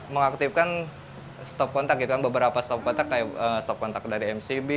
mengaktifkan stop kontak gitu kan beberapa stop kontak kayak stop kontak dari mcb